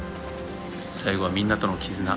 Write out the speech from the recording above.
「最後はみんなとの絆。